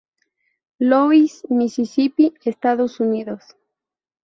Louis, Mississippi, Estados Unidos.